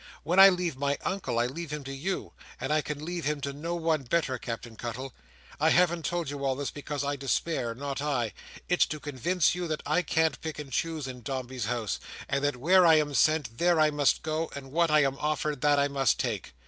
When I leave my Uncle, I leave him to you; and I can leave him to no one better, Captain Cuttle. I haven't told you all this because I despair, not I; it's to convince you that I can't pick and choose in Dombey's House, and that where I am sent, there I must go, and what I am offered, that I must take.